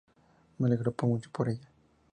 Me alegro mucho por ella".